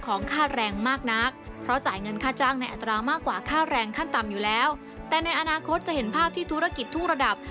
ก็แรงขั้นต่ำอยู่แล้วแต่ในอนาคตจะเห็นภาพที่ธุรกิจทุกระดับ